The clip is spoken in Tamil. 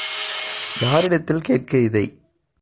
யாரிடத்தில் கேட்க இதை?